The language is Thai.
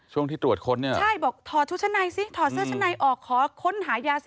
ช่วงที่ตรวจค้นเนี่ย